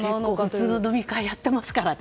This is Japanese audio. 普通の飲み会やってますからね。